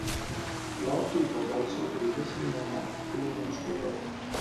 Cloud Chief was also previously home of two newspapers.